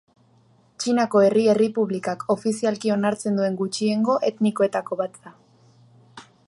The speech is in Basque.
Txinako Herri Errepublikak ofizialki onartzen duen gutxiengo etnikoetako bat da.